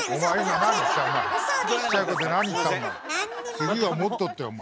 「次はもっと」ってお前。